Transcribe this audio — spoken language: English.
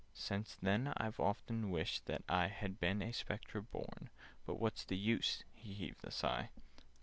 "Since then I've often wished that I Had been a Spectre born. But what's the use?" (He heaved a sigh.)